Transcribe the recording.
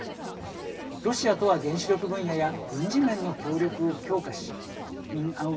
ロシアとは原子力分野や軍事面の協力を強化しミン